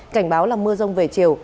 cảnh báo là mưa rông về chiều